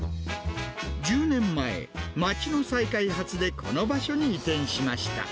１０年前、町の再開発で、この場所に移転しました。